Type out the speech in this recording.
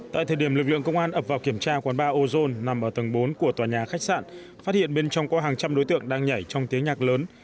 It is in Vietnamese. tại thời điểm lực lượng công an ập vào kiểm tra quán ba ozone nằm ở tầng bốn của tòa nhà khách sạn phát hiện bên trong có hàng trăm đối tượng đang nhảy trong tiếng nhạc lớn